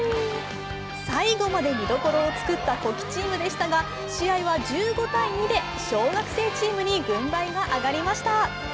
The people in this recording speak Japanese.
最後まで見どころを作った古希チームでしたが試合は１５−２で小学生チームに軍配が上がりました。